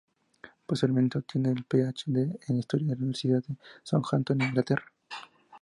Posteriormente, obtiene el Ph.D en Historia en la Universidad de Southampton, Inglaterra.